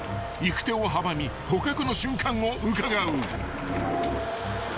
［行く手を阻み捕獲の瞬間をうかがう］